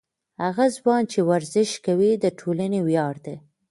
هغه ځوان چې ورزش کوي، د ټولنې ویاړ دی.